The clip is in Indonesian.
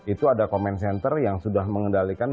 itu ada command center yang sudah mengendalikan